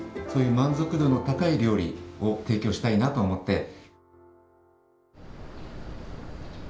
そういう満足度の高い料理を提供したいなと思って。